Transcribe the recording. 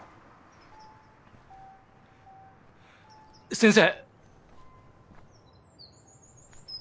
先生。